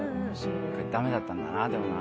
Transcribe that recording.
ダメだったんだなでもな。